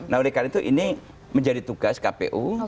nah oleh karena itu ini menjadi tugas kpu